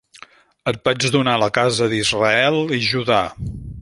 Et vaig donar la casa d'Israel i Judà.